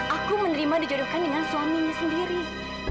aku menerima dijodohkan dengan suaminya sendiri